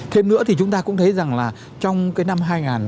thêm nữa thì chúng ta cũng thấy rằng là trong cái năm hai nghìn hai mươi hai